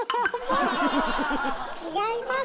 違います！